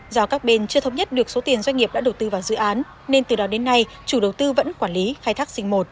do các bên chưa thống nhất được số tiền doanh nghiệp đã đầu tư vào dự án nên từ đó đến nay chủ đầu tư vẫn quản lý khai thác dinh một